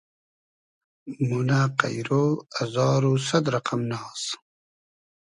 مونۂ قݷرۉ ازار و سئد رئقئم ناز